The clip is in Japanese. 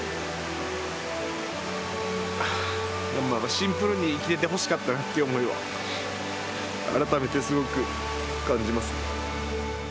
シンプルに生きていてほしかったなという思いが改めてすごく感じますね。